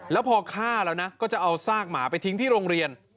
แล้วพอฆ่าแล้วนะก็จะเอาซากหมาไปทิ้งที่โรงเรียน